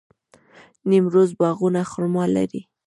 د نیمروز باغونه خرما لري.